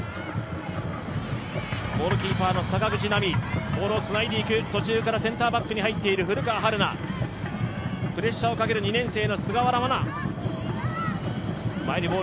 ゴールキーパーの坂口波、ボールをつないでいく途中からセンターバックに入っている古川陽菜、プレッシャーをかける２年生の菅原眞名。